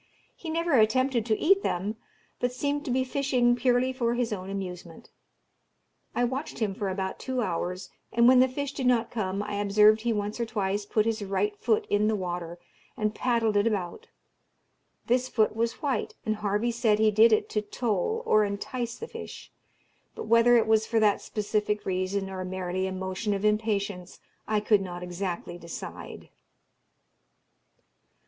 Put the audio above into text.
He never attempted to eat them, but seemed to be fishing purely for his own amusement. I watched him for about two hours, and when the fish did not come I observed he once or twice put his right foot in the water, and paddled it about. This foot was white, and Harvey said he did it to toll or entice the fish; but whether it was for that specific reason, or merely a motion of impatience, I could not exactly decide."